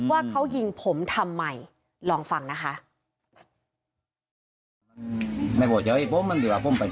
ว่าเขายิงผมทำไมลองฟังนะคะ